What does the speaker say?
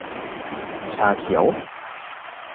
ชาเขียว